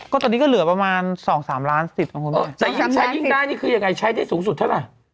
ก็ตอนนี้ก็เหลือประมาณสองสามล้านสิบของคุณแต่ยิ่งใช้ยิ่งได้นี่คือยังไงใช้ได้สูงสุดเท่าไหร่